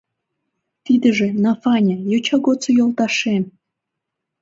Тидыже, Нафаня, йоча годсо йолташем!